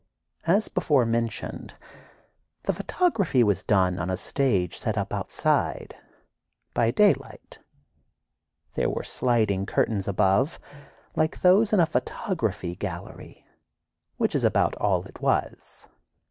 As before mentioned, the photography was done on a stage set up outside, by daylight. There were sliding curtains above, like those in a photograph gallery, which is about all it was.